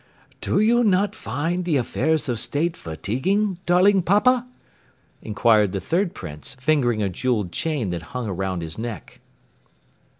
"Do you not find the affairs of state fatiguing, darling papa?" inquired the third Prince, fingering a jeweled chain that hung around his neck.